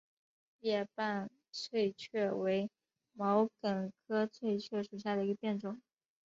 裂瓣翠雀为毛茛科翠雀属下的一个变种。